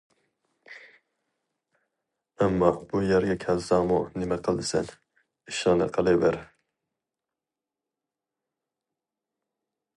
ئەمما بۇ يەرگە كەلسەڭمۇ نېمە قىلىسەن؟ ئىشىڭنى قىلىۋەر.